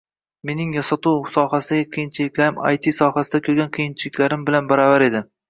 Mening sotuv sohasidagi qiyinchiliklarim AyTi sohasida koʻrgan qiyinchiliklarim bilan baravar edi